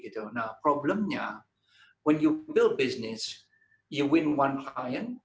nah masalahnya ketika anda membangun bisnis anda menang satu klien